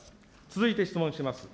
続いて質問します。